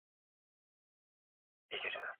mbea wa urais wa chadema dokta wilprod sur